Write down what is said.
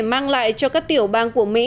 mang lại cho các tiểu bang của mỹ